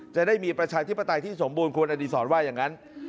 จะได้มีประชาธิปไตยที่สมบูรณคุณอดีศรว่าอย่างนั้น